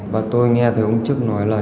và tôi nghe thấy ông chức nói là